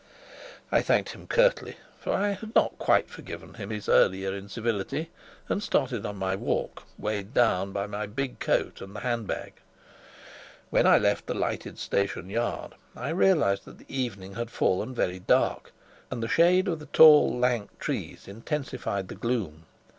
I thanked him curtly (for I had not quite forgiven him his earlier incivility), and started on my walk, weighed down by my big coat and the handbag. When I left the lighted station yard I realized that the evening had fallen very dark, and the shade of the tall lank trees intensified the gloom.